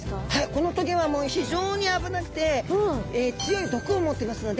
この棘は非常に危なくて強い毒を持っていますので。